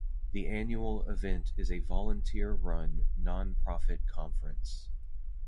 The annual event is a volunteer-run, nonprofit conference.